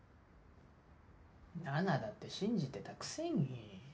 菜奈だって信じてたくせに。